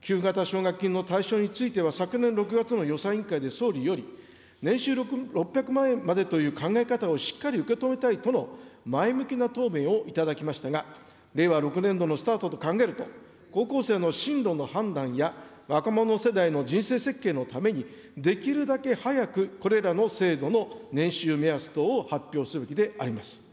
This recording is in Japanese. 給付型奨学金の対象については昨年６月の予算委員会で総理より、年収６００万円までという考え方をしっかり受け止めたいとの前向きな答弁をいただきましたが、令和６年度のスタートと考えると、高校生の進路の判断や、若者世代の人生設計のために、できるだけ早くこれらの制度の年収目安等を発表するべきであります。